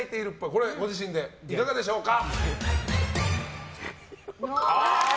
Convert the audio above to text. これはご自身でいかがでしょうか。